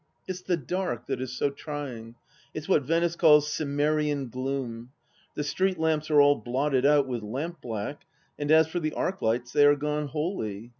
It's the dark that is so trying. It's what Venice calls Cimmerian gloom. The street lamps are all blotted out with lamp black, and as for the arc lights they are gone, wholly.